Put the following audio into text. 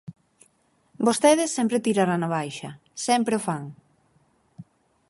Vostedes sempre tirarán á baixa, sempre o fan.